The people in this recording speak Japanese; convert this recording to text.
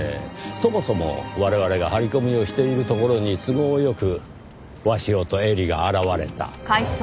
そもそも我々が張り込みをしているところに都合良く鷲尾と絵里が現れた。